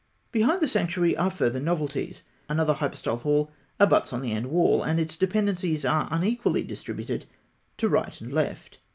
Behind the sanctuary are further novelties. Another hypostyle hall (K) abuts on the end wall, and its dependencies are unequally distributed to right and left.